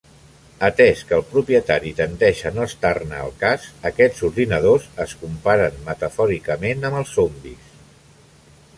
Atès que el propietari tendeix a no estar-ne al cas, aquests ordinadors es comparen metafòricament amb els zombis.